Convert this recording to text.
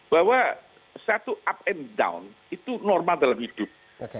bahwa satu up and down itu normal dalam hidup